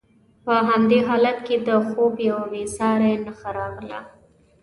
په همدې حالت کې د خوب یوه بې ساري نښه راغله.